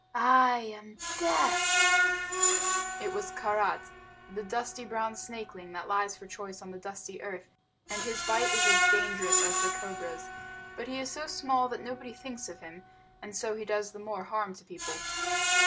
I am Death!" It was Karait, the dusty brown snakeling that lies for choice on the dusty earth; and his bite is as dangerous as the cobra's. But he is so small that nobody thinks of him, and so he does the more harm to people.